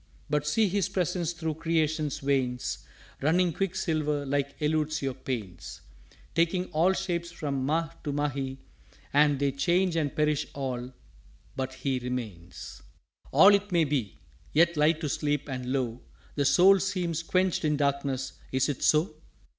"_But see His Presence thro' Creation's veins Running Quicksilver like eludes your pains; Taking all shapes from Máh to Máhi; and They change and perish all but He remains._" "All it may be. Yet lie to sleep, and lo, The soul seems quenched in Darkness is it so?